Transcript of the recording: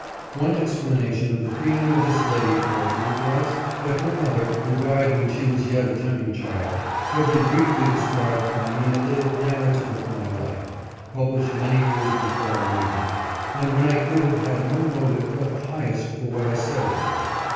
One explanation of the feeling of this lady towards me was, that her mother, who died when she was yet a tender child, had been briefly described by me in a little " Narrative of my life," published many years before our meeting, and when I could have had no motive but the highest for what I said of her.